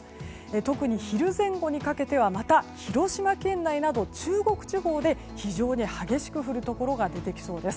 特に昼前後にかけてはまた広島県内など中国地方で非常に激しく降るところが出てきそうです。